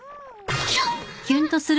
キュンッ！